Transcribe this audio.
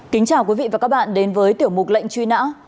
kính chào quý vị và các bạn đến với tiểu mục lệnh truy nã